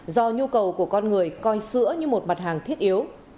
do nhu cầu của con người coi sữa như một mặt hàng thiết yếu